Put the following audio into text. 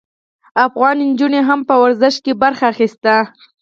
افغان نجونو هم په ورزش کې برخه اخیستې.